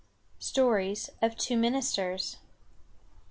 STORIES OF TWO MINISTERS.